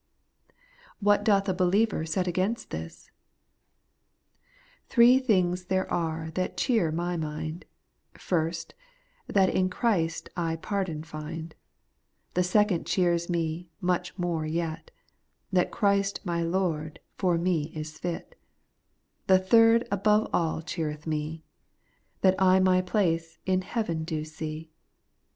What doth a believer set against this ? Three things there are that cheere my mind : First, that in Christ I pardon find ; The second cheeres me much more yet, — That Christ my Lord for me is fit ; The third above aU cheereth me, — That I my place in heaven do see.